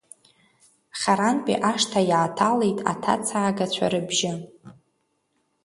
Харантәи ашҭа иааҭалеит аҭацаагацәа рыбжьы.